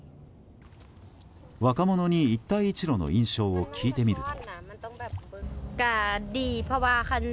若者に一帯一路の印象を聞いてみると。